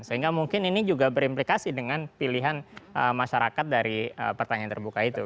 sehingga mungkin ini juga berimplikasi dengan pilihan masyarakat dari pertanyaan terbuka itu